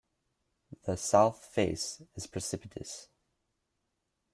The South Face is precipitous.